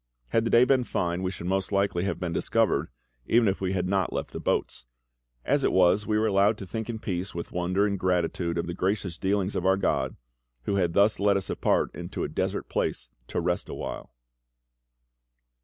Had the day been fine we should most likely have been discovered, even if we had not left the boats. As it was, we were allowed to think in peace, with wonder and gratitude, of the gracious dealings of our GOD, who had thus led us apart into "a desert place" to rest awhile.